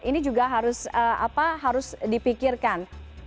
ini juga harus dipikirkan